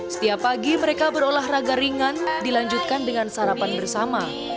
setiap pagi mereka berolahraga ringan dilanjutkan dengan sarapan bersama